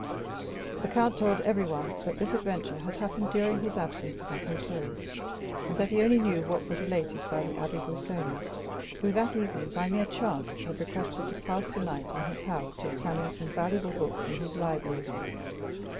The count told everyone that this adventure had happened during his absence at Auteuil, and that he only knew what was related by the Abbé Busoni, who that evening, by mere chance, had requested to pass the night in his house, to examine some valuable books in his library.